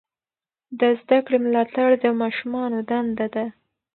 د زده کړې ملاتړ د ماشومانو دنده ده.